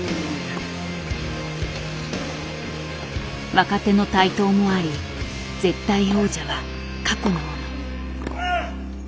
若手の台頭もあり絶対王者は過去のもの。